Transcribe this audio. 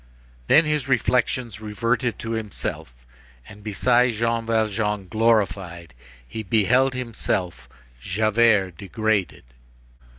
Then his reflections reverted to himself and beside Jean Valjean glorified he beheld himself, Javert, degraded.